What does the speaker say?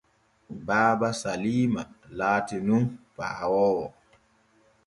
Baaba Saliima laati nun paawoowo.